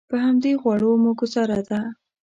په همدې غوړو مو ګوزاره ده.